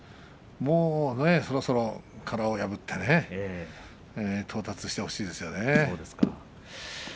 もうそろそろ殻を破って到達してほしいですね。